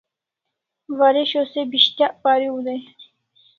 Waresho se pis'tyak pariu dai